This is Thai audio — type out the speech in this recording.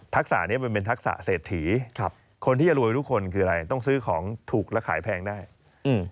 สระเนี้ยมันเป็นทักษะเศรษฐีครับคนที่จะรวยทุกคนคืออะไรต้องซื้อของถูกและขายแพงได้อืม